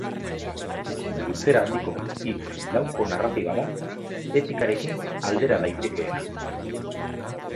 Luzera handiko hitz lauko narratiba da, epikarekin aldera daitekeena.